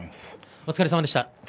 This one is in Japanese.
お疲れさまでした。